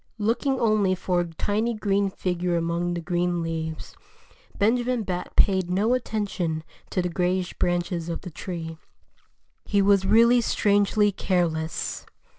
Looking only for a tiny green figure among the green leaves, Benjamin Bat paid no attention to the grayish branches of the tree. He was really strangely careless.